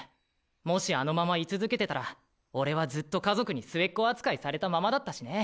もしあのまま居続けてたらオレはずっと家族に末っ子扱いされたままだったしね。